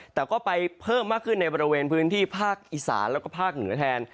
แต่ก็ไปเพิ่มมากขึ้นในบริเวณพื้นที่ภาคอีสานแล้วก็ภาคเหนือแทน